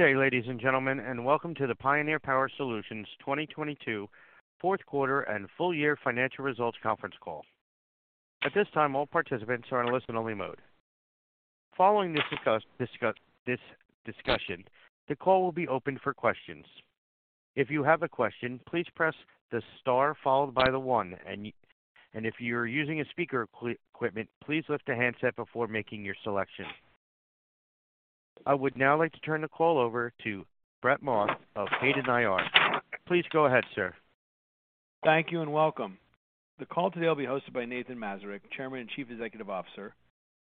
Good day, ladies and gentlemen, and welcome to the Pioneer Power Solutions 2022 fourth quarter and full year financial results conference call. At this time, all participants are in listen-only mode. Following this discussion, the call will be opened for questions. If you have a question, please press the star followed by the one, and if you're using a speaker equipment, please lift the handset before making your selection. I would now like to turn the call over to Brett Maas of Hayden IR. Please go ahead, sir. Thank you and welcome. The call today will be hosted by Nathan Mazurek, Chairman and Chief Executive Officer,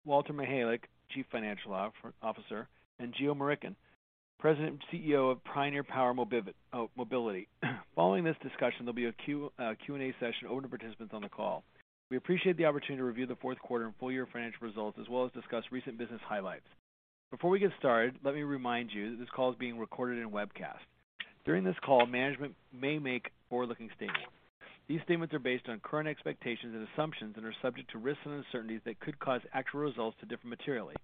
Walter Michalec, Chief Financial Officer, and Geo Murickan, President and CEO of Pioneer Power Mobility. Following this discussion, there'll be a Q&A session open to participants on the call. We appreciate the opportunity to review the fourth quarter and full year financial results, as well as discuss recent business highlights. Before we get started, let me remind you that this call is being recorded and webcast. During this call, management may make forward-looking statements. These statements are based on current expectations and assumptions and are subject to risks and uncertainties that could cause actual results to differ materially.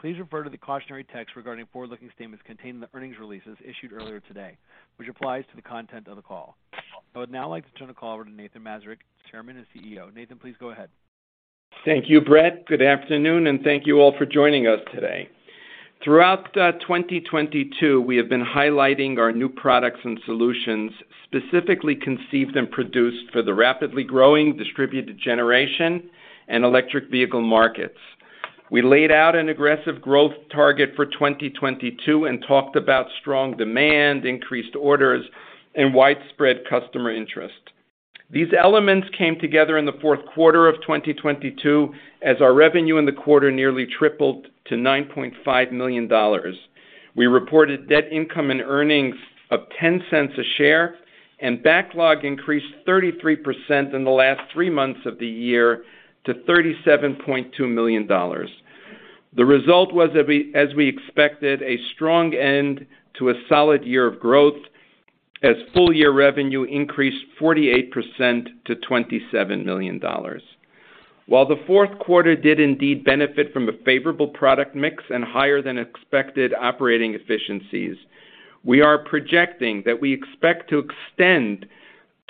Please refer to the cautionary text regarding forward-looking statements contained in the earnings releases issued earlier today, which applies to the content of the call. I would now like to turn the call over to Nathan Mazurek, Chairman and CEO. Nathan, please go ahead. Thank you, Brett. Good afternoon, thank you all for joining us today. Throughout 2022, we have been highlighting our new products and solutions, specifically conceived and produced for the rapidly growing distributed generation and electric vehicle markets. We laid out an aggressive growth target for 2022 and talked about strong demand, increased orders, and widespread customer interest. These elements came together in the fourth quarter of 2022, as our revenue in the quarter nearly tripled to $9.5 million. We reported net income and earnings of $0.10 a share, backlog increased 33% in the last three months of the year to $37.2 million. The result was that we, as we expected, a strong end to a solid year of growth as full year revenue increased 48% to $27 million. While the fourth quarter did indeed benefit from a favorable product mix and higher than expected operating efficiencies, we are projecting that we expect to extend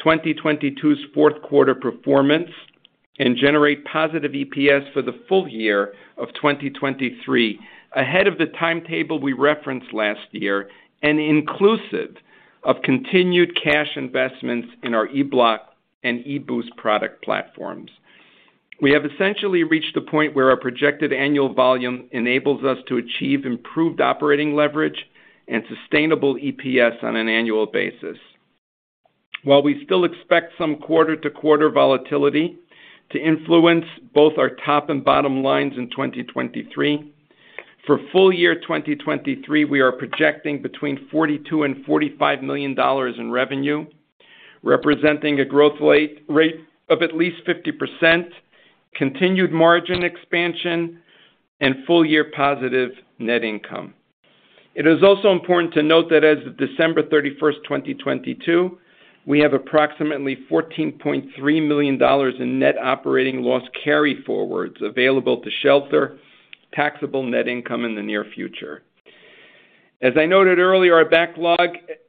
2022's fourth quarter performance and generate positive EPS for the full year of 2023, ahead of the timetable we referenced last year and inclusive of continued cash investments in our E-Bloc and e-Boost product platforms. We have essentially reached the point where our projected annual volume enables us to achieve improved operating leverage and sustainable EPS on an annual basis. While we still expect some quarter-to-quarter volatility to influence both our top and bottom lines in 2023, for full year 2023, we are projecting between $42 million and $45 million in revenue, representing a growth rate of at least 50%, continued margin expansion, and full-year positive net income. It is also important to note that as of December 31st, 2022, we have approximately $14.3 million in net operating loss carryforwards available to shelter taxable net income in the near future. As I noted earlier, our backlog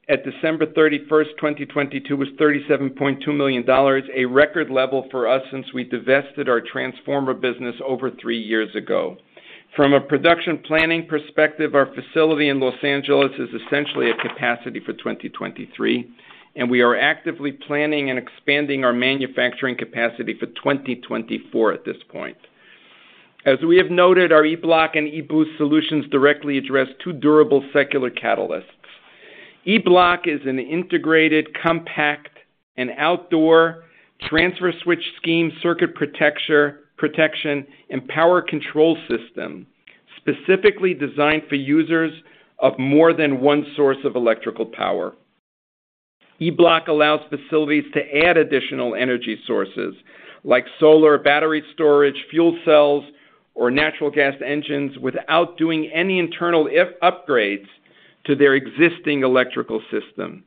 at December 31st, 2022, was $37.2 million, a record level for us since we divested our transformer business over three years ago. From a production planning perspective, our facility in Los Angeles is essentially at capacity for 2023, and we are actively planning and expanding our manufacturing capacity for 2024 at this point. As we have noted, our E-Bloc and e-Boost solutions directly address two durable secular catalysts. E-Bloc is an integrated, compact, and outdoor transfer switch scheme, circuit protection, and power control system specifically designed for users of more than one source of electrical power. E-Bloc allows facilities to add additional energy sources like solar, battery storage, fuel cells, or natural gas engines without doing any internal upgrades to their existing electrical system.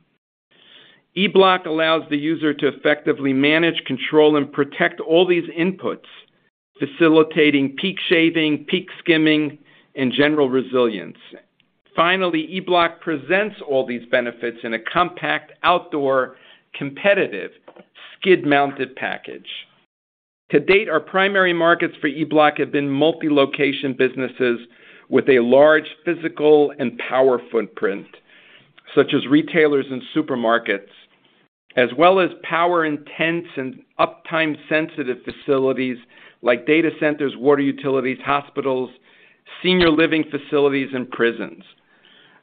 E-Bloc allows the user to effectively manage, control, and protect all these inputs, facilitating peak shaving, peak skimming, and general resilience. E-Bloc presents all these benefits in a compact outdoor competitive skid-mounted package. To date, our primary markets for E-Bloc have been multi-location businesses with a large physical and power footprint, such as retailers and supermarkets, as well as power-intense and uptime-sensitive facilities like data centers, water utilities, hospitals, senior living facilities, and prisons.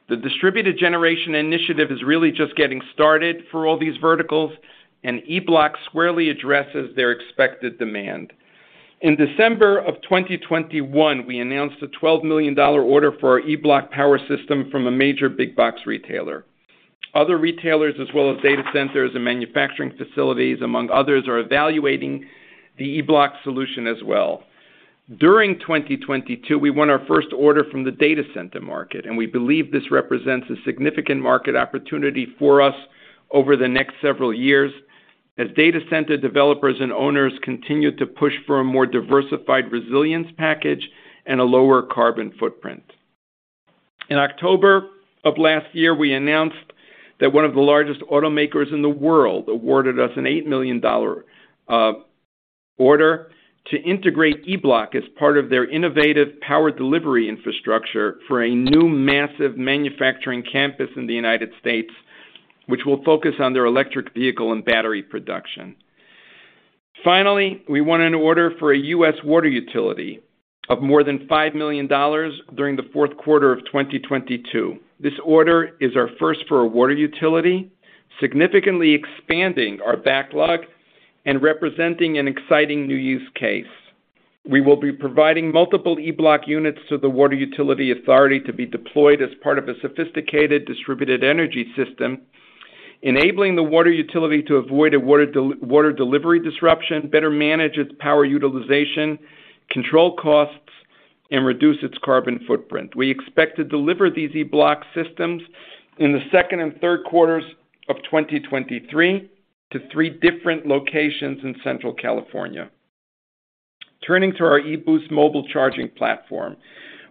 The distributed generation initiative is really just getting started for all these verticals, E-Bloc squarely addresses their expected demand. In December of 2021, we announced a $12 million order for our E-Bloc from a major big box retailer. Other retailers, as well as data centers and manufacturing facilities, among others, are evaluating the E-Bloc solution as well. During 2022, we won our first order from the data center market. We believe this represents a significant market opportunity for us over the next several years. As data center developers and owners continue to push for a more diversified resilience package and a lower carbon footprint. In October of last year, we announced that one of the largest automakers in the world awarded us an $8 million order to integrate E-Bloc as part of their innovative power delivery infrastructure for a new massive manufacturing campus in the United States, which will focus on their electric vehicle and battery production. Finally, we won an order for a U.S. water utility of more than $5 million during the fourth quarter of 2022. This order is our first for a water utility, significantly expanding our backlog and representing an exciting new use case. We will be providing multiple E-Bloc units to the Water Utility Authority to be deployed as part of a sophisticated distributed energy system, enabling the water utility to avoid a water delivery disruption, better manage its power utilization, control costs, and reduce its carbon footprint. We expect to deliver these E-Bloc systems in the second and third quarters of 2023 to three different locations in Central California. Turning to our e-Boost mobile charging platform.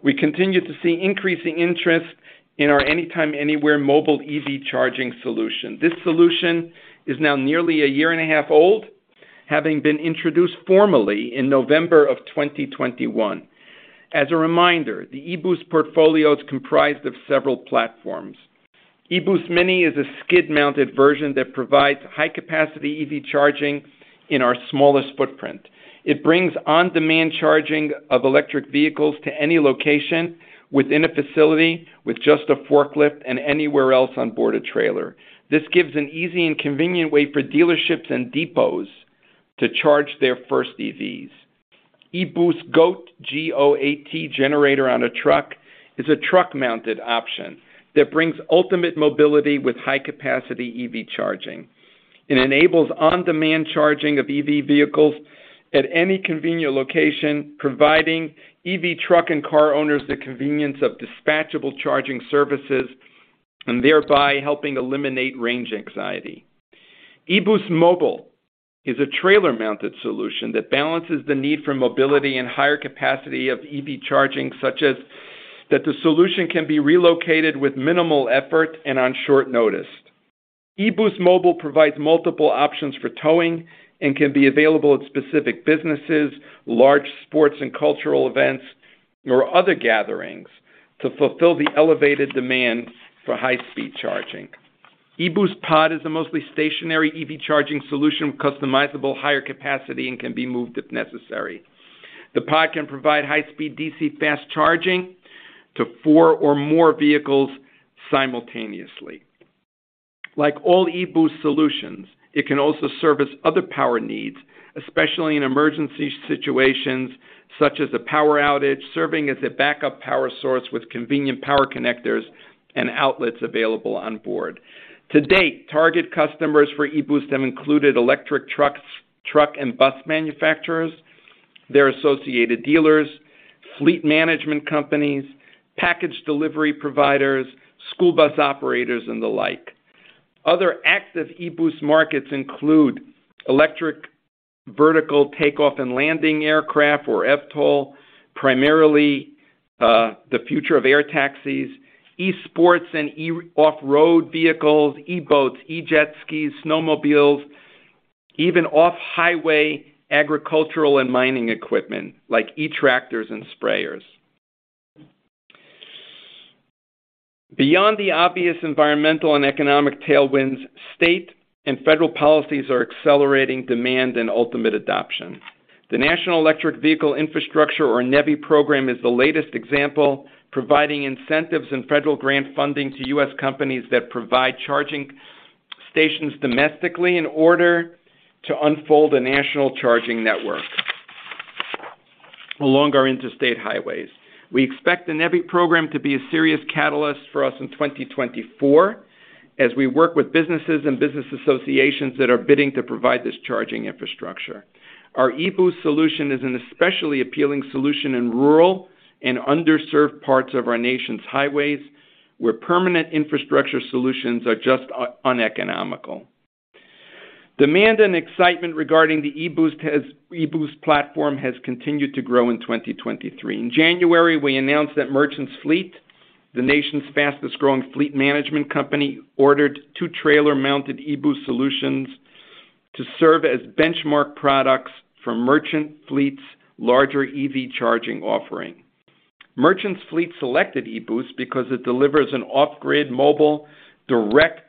We continue to see increasing interest in our anytime, anywhere mobile EV charging solution. This solution is now nearly a year and a half old, having been introduced formally in November 2021. As a reminder, the e-Boost portfolio is comprised of several platforms. e-Boost Mini is a skid-mounted version that provides high-capacity EV charging in our smallest footprint. It brings on-demand charging of electric vehicles to any location within a facility with just a forklift and anywhere else on board a trailer. This gives an easy and convenient way for dealerships and depots to charge their first EVs. e-Boost GOAT, G-O-A-T, Generator On A Truck, is a truck-mounted option that brings ultimate mobility with high-capacity EV charging. It enables on-demand charging of EV vehicles at any convenient location, providing EV truck and car owners the convenience of dispatchable charging services and thereby helping eliminate range anxiety. e-Boost Mobile is a trailer-mounted solution that balances the need for mobility and higher capacity of EV charging, such as that the solution can be relocated with minimal effort and on short notice. e-Boost Mobile provides multiple options for towing and can be available at specific businesses, large sports and cultural events, or other gatherings to fulfill the elevated demand for high-speed charging. e-Boost Pod is a mostly stationary EV charging solution with customizable higher capacity and can be moved if necessary. The Pod can provide high-speed DC fast charging to four or more vehicles simultaneously. Like all e-Boost solutions, it can also service other power needs, especially in emergency situations, such as a power outage, serving as a backup power source with convenient power connectors and outlets available on board. To date, target customers for e-Boost have included electric trucks, truck and bus manufacturers, their associated dealers, fleet management companies, package delivery providers, school bus operators, and the like. Other active e-Boost markets include electric vertical takeoff and landing aircraft or eVTOL, primarily, the future of air taxis, e-Sports and e-off-road vehicles, e-Boats, e-Jet Skis, snowmobiles, even off-highway agricultural and mining equipment like e-Tractors and sprayers. Beyond the obvious environmental and economic tailwinds, state and federal policies are accelerating demand and ultimate adoption. The National Electric Vehicle Infrastructure, or NEVI program, is the latest example, providing incentives and federal grant funding to U.S. companies that provide charging stations domestically in order to unfold a national charging network along our interstate highways. We expect the NEVI program to be a serious catalyst for us in 2024 as we work with businesses and business associations that are bidding to provide this charging infrastructure. Our e-Boost solution is an especially appealing solution in rural and underserved parts of our nation's highways, where permanent infrastructure solutions are just uneconomical. Demand and excitement regarding the e-Boost platform has continued to grow in 2023. In January, we announced that Merchants Fleet, the nation's fastest-growing fleet management company, ordered two trailer-mounted e-Boost solutions to serve as benchmark products for Merchants Fleet's larger EV charging offering. Merchants Fleet selected e-Boost because it delivers an off-grid, mobile, direct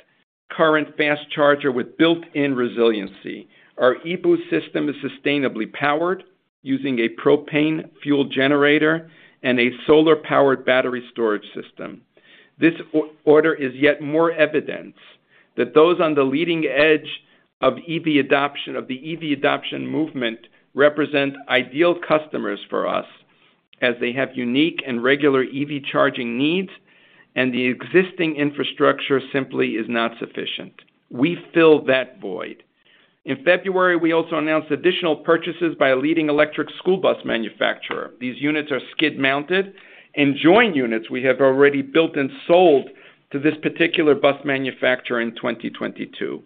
current fast charger with built-in resiliency. Our e-Boost system is sustainably powered using a propane fuel generator and a solar-powered battery storage system. This order is yet more evidence that those on the leading edge of the EV adoption movement represent ideal customers for us as they have unique and regular EV charging needs, and the existing infrastructure simply is not sufficient. We fill that void. In February, we also announced additional purchases by a leading electric school bus manufacturer. These units are skid-mounted and join units we have already built and sold to this particular bus manufacturer in 2022.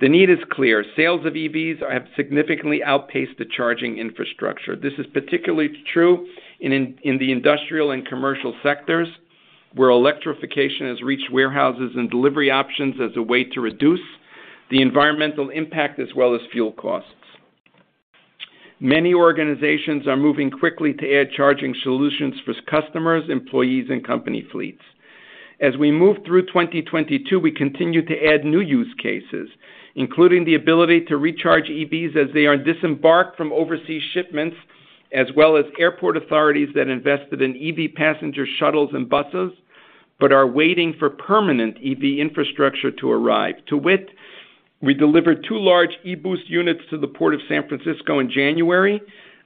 The need is clear. Sales of EVs have significantly outpaced the charging infrastructure. This is particularly true in the industrial and commercial sectors, where electrification has reached warehouses and delivery options as a way to reduce the environmental impact as well as fuel costs. Many organizations are moving quickly to add charging solutions for customers, employees, and company fleets. As we move through 2022, we continue to add new use cases, including the ability to recharge EVs as they are disembarked from overseas shipments, as well as airport authorities that invested in EV passenger shuttles and buses, but are waiting for permanent EV infrastructure to arrive. To wit, we delivered two large e-Boost units to the Port of San Francisco in January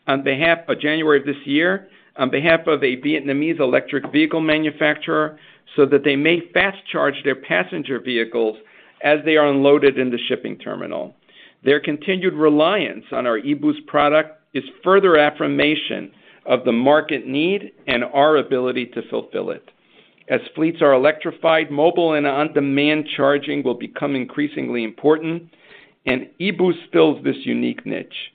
of this year, on behalf of a Vietnamese electric vehicle manufacturer, so that they may fast-charge their passenger vehicles as they are unloaded in the shipping terminal. Their continued reliance on our e-Boost product is further affirmation of the market need and our ability to fulfill it. As fleets are electrified, mobile and on-demand charging will become increasingly important, and e-Boost fills this unique niche.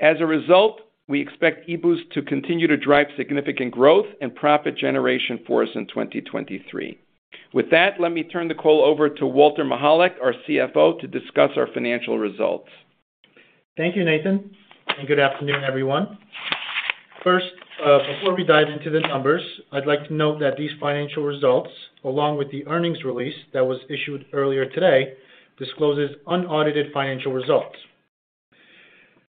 As a result, we expect e-Boost to continue to drive significant growth and profit generation for us in 2023. With that, let me turn the call over to Walter Michalec, our CFO, to discuss our financial results. Thank you, Nathan. Good afternoon, everyone. First, before we dive into the numbers, I'd like to note that these financial results, along with the earnings release that was issued earlier today, discloses unaudited financial results.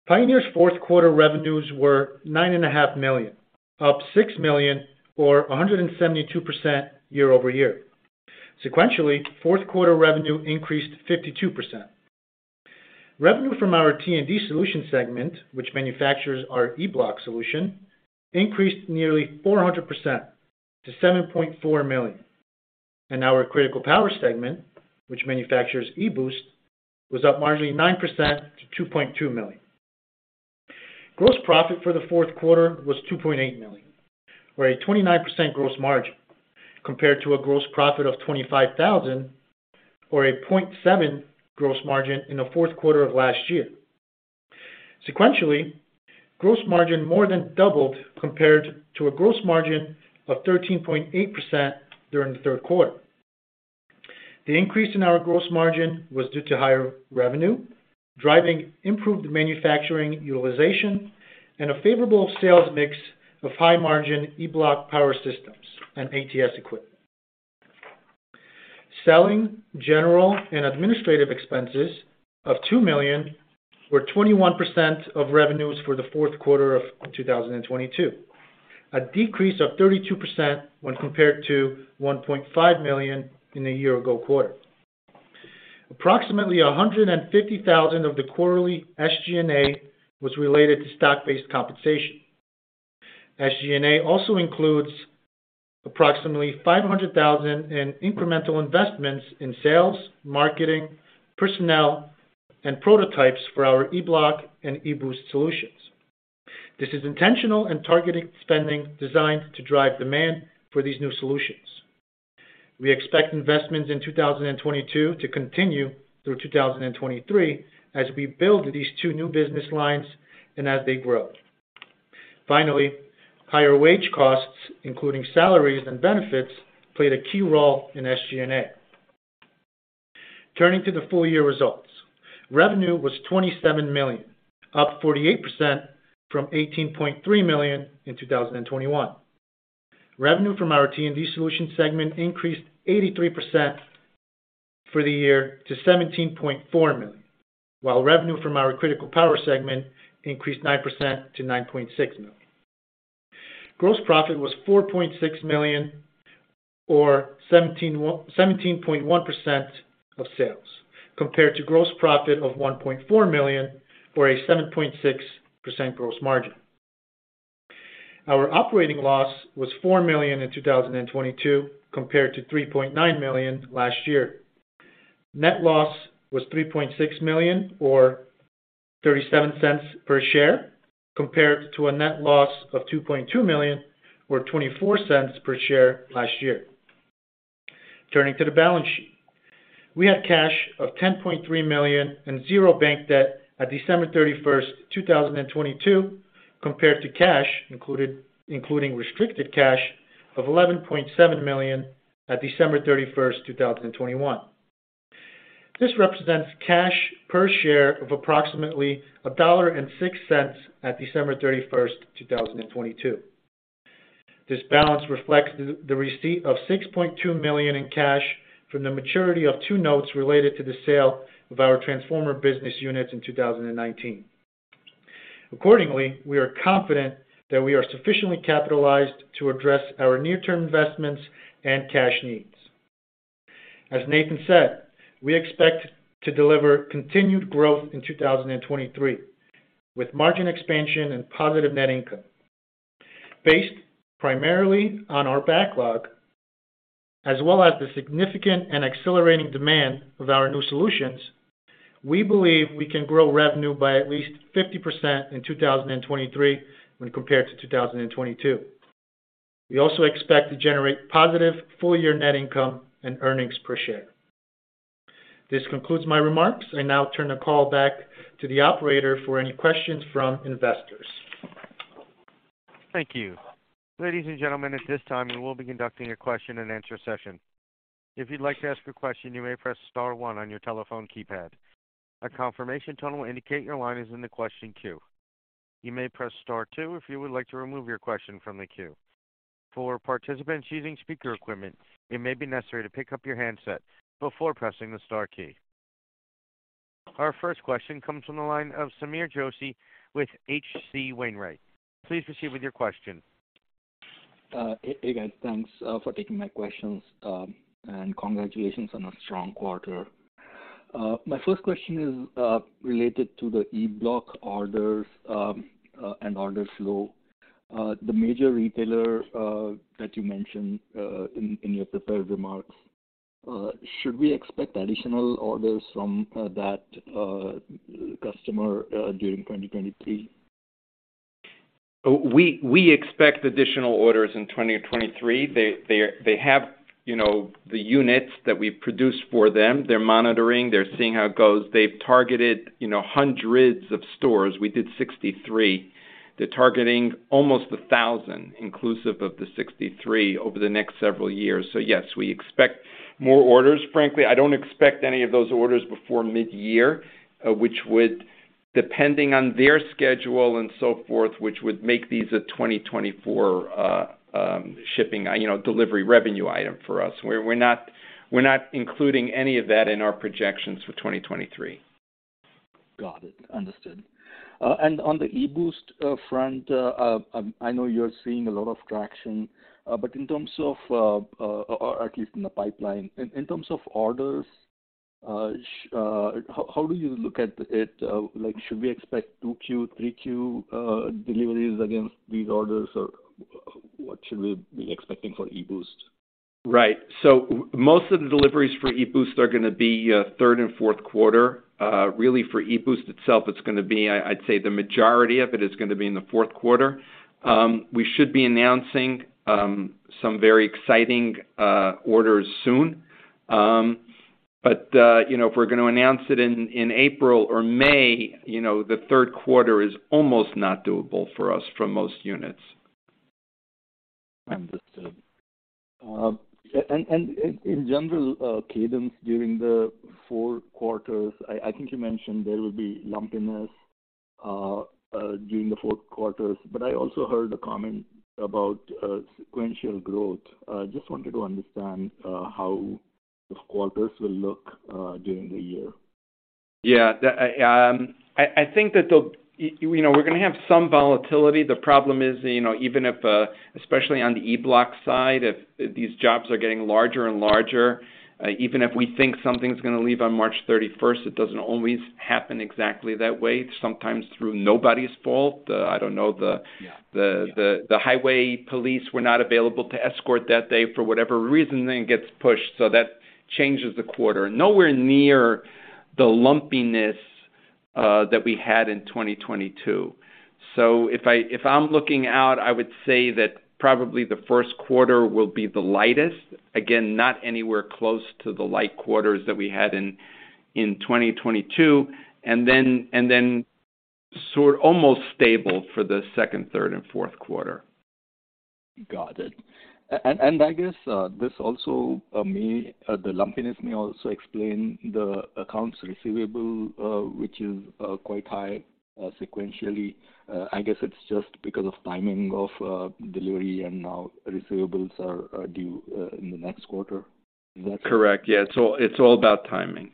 Pioneer's fourth quarter revenues were $9.5 million, up $6 million or 172% year-over-year. Sequentially, fourth quarter revenue increased 52%. Revenue from our T&D Solutions segment, which manufactures our E-Bloc solution, increased nearly 400% to $7.4 million. Our Critical Power segment, which manufactures e-Boost, was up marginally 9% to $2.2 million. Gross profit for the fourth quarter was $2.8 million, or a 29% gross margin, compared to a gross profit of $25,000 or a 0.7% gross margin in the fourth quarter of last year. Sequentially, gross margin more than doubled compared to a gross margin of 13.8% during the third quarter. The increase in our gross margin was due to higher revenue, driving improved manufacturing utilization and a favorable sales mix of high-margin E-Bloc power systems and ATS equipment. Selling, general, and administrative expenses of $2 million were 21% of revenues for the fourth quarter of 2022, a decrease of 32% when compared to $1.5 million in the year ago quarter. Approximately $150,000 of the quarterly SG&A was related to stock-based compensation. SG&A also includes approximately $500,000 in incremental investments in sales, marketing, personnel, and prototypes for our E-Bloc and e-Boost solutions. This is intentional and targeted spending designed to drive demand for these new solutions. We expect investments in 2022 to continue through 2023 as we build these two new business lines and as they grow. Finally, higher wage costs, including salaries and benefits, played a key role in SG&A. Turning to the full year results, revenue was $27 million, up 48% from $18.3 million in 2021. Revenue from our T&D Solutions segment increased 83% for the year to $17.4 million, while revenue from our Critical Power segment increased 9% to $9.6 million. Gross profit was $4.6 million or 17.1% of sales, compared to gross profit of $1.4 million or a 7.6% gross margin. Our operating loss was $4 million in 2022 compared to $3.9 million last year. Net loss was $3.6 million or $0.37 per share compared to a net loss of $2.2 million or $0.24 per share last year. Turning to the balance sheet. We had cash of $10.3 million and 0 bank debt at December 31, 2022 compared to cash included, including restricted cash of $11.7 million at December 31, 2021. This represents cash per share of approximately $1.06 at December 31, 2022. This balance reflects the receipt of $6.2 million in cash from the maturity of two notes related to the sale of our transformer business unit in 2019. Accordingly, we are confident that we are sufficiently capitalized to address our near-term investments and cash needs. As Nathan said, we expect to deliver continued growth in 2023 with margin expansion and positive net income. Based primarily on our backlog as well as the significant and accelerating demand of our new solutions. We believe we can grow revenue by at least 50% in 2023 when compared to 2022. We also expect to generate positive full year net income and earnings per share. This concludes my remarks. I now turn the call back to the operator for any questions from investors. Thank you. Ladies and gentlemen, at this time, we will be conducting a question-and-answer session. If you'd like to ask a question, you may press star one on your telephone keypad. A confirmation tone will indicate your line is in the question queue. You may press star two if you would like to remove your question from the queue. For participants using speaker equipment, it may be necessary to pick up your handset before pressing the star key. Our first question comes from the line of Sameer Joshi with H.C. Wainwright. Please proceed with your question. Hey, guys. Thanks for taking my questions, and congratulations on a strong quarter. My first question is related to the E-Bloc orders and order flow. The major retailer that you mentioned in your prepared remarks, should we expect additional orders from that customer during 2023? We expect additional orders in 2023. They have, you know, the units that we produce for them. They're monitoring. They're seeing how it goes. They've targeted, you know, hundreds of stores. We did 63. They're targeting almost 1,000 inclusive of the 63 over the next several years. Yes, we expect more orders. Frankly, I don't expect any of those orders before midyear, which would depending on their schedule and so forth, which would make these a 2024 shipping, you know, delivery revenue item for us. We're not including any of that in our projections for 2023. Got it. Understood. And on the e-Boost front, I know you're seeing a lot of traction, but in terms of, or at least in the pipeline, in terms of orders, how do you look at it? Like, should we expect 2Q, 3Q deliveries against these orders, or what should we be expecting for e-Boost? Right. most of the deliveries for e-Boost are gonna be, third and fourth quarter. Really for e-Boost itself, it's gonna be I'd say the majority of it is gonna be in the fourth quarter. We should be announcing some very exciting orders soon. You know, if we're gonna announce it in April or May, you know, the third quarter is almost not doable for us for most units. Understood. In general, cadence during the four quarters, I think you mentioned there will be lumpiness during the 4th quarters, but I also heard a comment about sequential growth. Just wanted to understand how the quarters will look during the year. The, I think that the you know, we're gonna have some volatility. The problem is, you know, even if, especially on the E-Bloc side, if these jobs are getting larger and larger, even if we think something's gonna leave on March 31st, it doesn't always happen exactly that way, sometimes through nobody's fault. The, I don't know. Yeah. The highway police were not available to escort that day for whatever reason, then it gets pushed, so that changes the quarter. Nowhere near the lumpiness that we had in 2022. If I'm looking out, I would say that probably the first quarter will be the lightest. Again, not anywhere close to the light quarters that we had in 2022, and then sort almost stable for the second, third, and fourth quarter. Got it. I guess this also the lumpiness may also explain the accounts receivable, which is quite high, sequentially. I guess it's just because of timing of delivery and now receivables are due in the next quarter. Is that? Correct. Yeah. It's all, it's all about timing.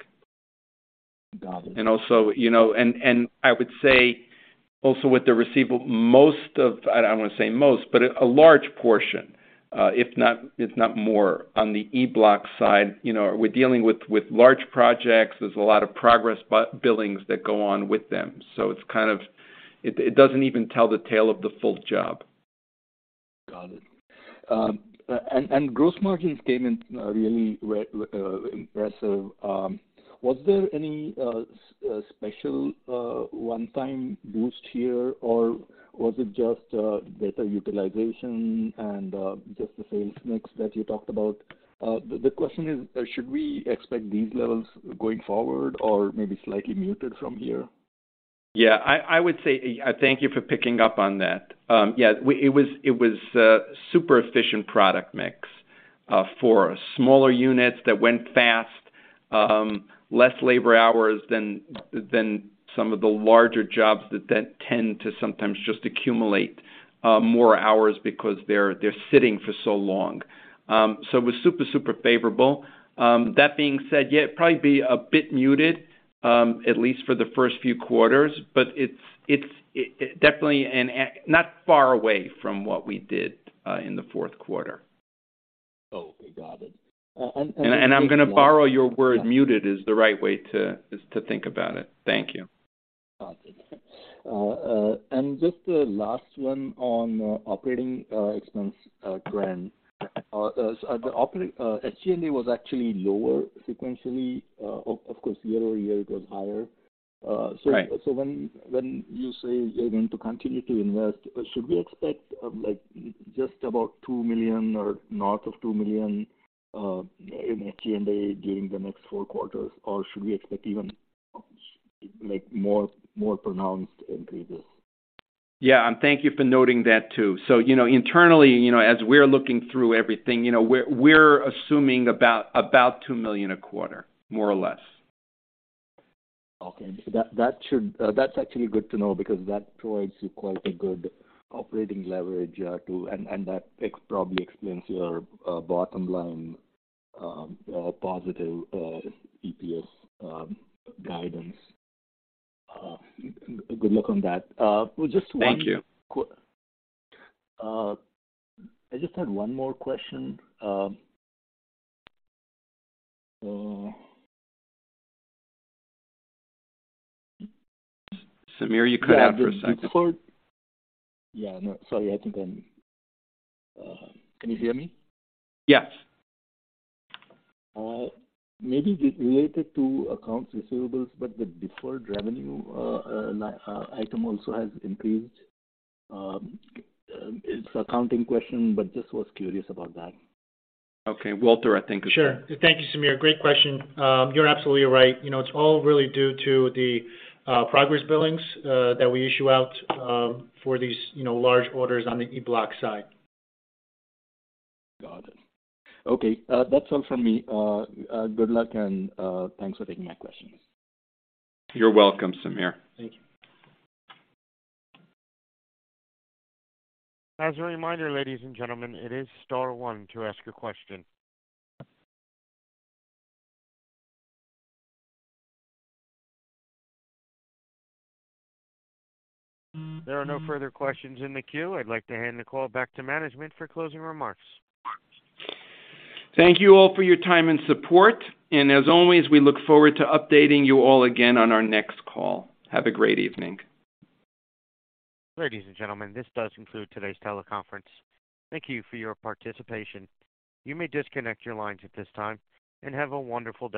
Got it. Also, you know, and I would say also with the receivable, I don't wanna say most, but a large portion, if not, if not more on the E-Bloc side. We're dealing with large projects. There's a lot of progress billings that go on with them. It doesn't even tell the tale of the full job. Got it. Gross margins came in really impressive. Was there any special one-time boost here, or was it just better utilization and just the sales mix that you talked about? The question is, should we expect these levels going forward or maybe slightly muted from here? I would say. Thank you for picking up on that. It was a super efficient product mix for smaller units that went fast, less labor hours than some of the larger jobs that tend to sometimes just accumulate more hours because they're sitting for so long. It was super favorable. That being said, it'd probably be a bit muted at least for the first few quarters, but it's definitely not far away from what we did in the fourth quarter. Okay. Got it. I'm gonna borrow your word, muted is the right way to think about it. Thank you. Got it. Just a last one on operating expense, Grant. The operating SG&A was actually lower sequentially, of course year-over-year it was higher. Right. When you say you're going to continue to invest, should we expect, like just about $2 million or north of $2 million in SG&A during the next four quarters? Or should we expect even, like, more pronounced increases? Thank you for noting that too. You know, internally, you know, as we're looking through everything, you know, we're assuming about $2 million a quarter, more or less. Okay. That should. That's actually good to know because that provides you quite a good operating leverage, to. That probably explains your bottom line positive EPS guidance. Good luck on that. Well, just one. Thank you. I just had one more question. Sameer, you cut out for a second. Yeah, no, sorry. Can you hear me? Yes. maybe related to accounts receivables, but the deferred revenue item also has increased. It's accounting question, but just was curious about that. Okay. Walter, I think. Sure. Thank you, Sameer. Great question. You're absolutely right. You know, it's all really due to the progress billings that we issue out for these, you know, large orders on the E-Bloc side. Got it. Okay, that's all from me. good luck and, thanks for taking my questions. You're welcome, Sameer. Thank you. As a reminder, ladies and gentlemen, it is star one to ask a question. There are no further questions in the queue. I'd like to hand the call back to management for closing remarks. Thank you all for your time and support, and as always we look forward to updating you all again on our next call. Have a great evening. Ladies and gentlemen, this does conclude today's teleconference. Thank you for your participation. You may disconnect your lines at this time, and have a wonderful day.